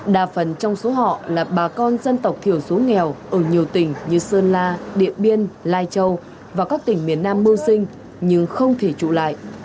đa phần trong số họ là bà con dân tộc thiểu số nghèo ở nhiều tỉnh như sơn la điện biên lai châu và các tỉnh miền nam mưu sinh nhưng không thể trụ lại